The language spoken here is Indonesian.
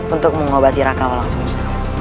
untuk mengobati raka walang sungsang